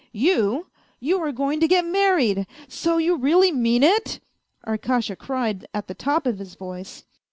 " You ! You are going to get married ! So you really mean it ?" Arkasha cried at the top of his voice.